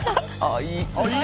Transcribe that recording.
「ああいい」